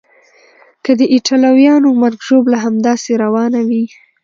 که د ایټالویانو مرګ ژوبله همداسې روانه وي.